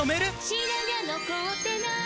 「白髪残ってない！」